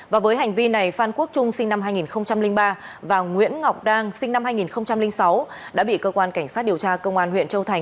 và với hành vi này phan quốc trung sinh năm hai nghìn ba và nguyễn ngọc đang sinh năm hai nghìn sáu đã bị cơ quan cảnh sát điều tra công an huyện châu thành